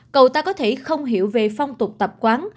cầu ta có thể không hiểu về phong tục tập quán